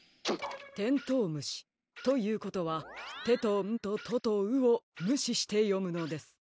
テントウムシということは「て」と「ん」と「と」と「う」をむししてよむのです。